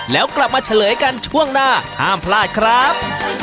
แล้วกลับมาเฉลยกันช่วงหน้าห้ามพลาดครับ